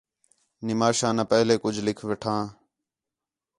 نِماشان آ پہلے کُجھ لِکھ وٹھاں